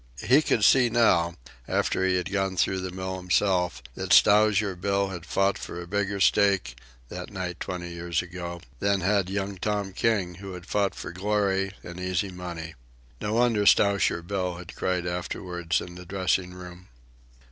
He could see now, after he had gone through the mill himself, that Stowsher Bill had fought for a bigger stake, that night twenty years ago, than had young Tom King, who had fought for glory and easy money. No wonder Stowsher Bill had cried afterward in the dressing room.